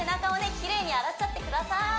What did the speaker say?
きれいに洗っちゃってください